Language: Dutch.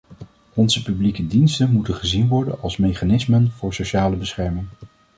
Onze publieke diensten moeten gezien worden als mechanismen voor sociale bescherming.